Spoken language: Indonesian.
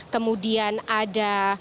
kemudian ada fauzan rifani